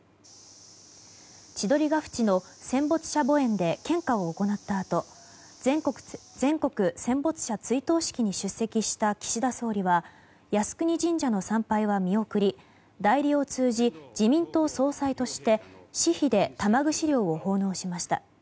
千鳥ケ淵の戦没者墓苑で献花を行ったあと全国戦没者追悼式に出席した岸田総理は靖国神社の参拝は見送り代理を通じ自民党総裁として私費で玉串料を奉納しました。